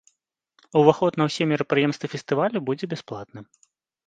Уваход на ўсе мерапрыемствы фестывалю будзе бясплатны.